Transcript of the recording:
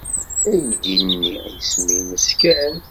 Aydi-nni isem-nnes Ken.